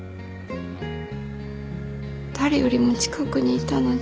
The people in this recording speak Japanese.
誰よりも近くにいたのに。